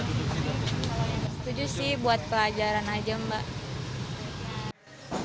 setuju sih buat pelajaran aja mbak